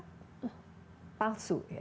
bisa jadi palsu ya